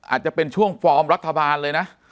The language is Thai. อาจจะเป็นช่วงฟอร์มรัฐบาลเลยนะ